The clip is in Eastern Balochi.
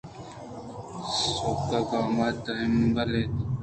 سُبک گام ءُتہمبل اَت